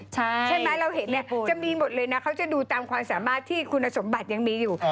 ใช่ไหมเราเห็นเนี่ยจะมีหมดเลยนะเขาจะดูตามความสามารถที่คุณสมบัติยังมีอยู่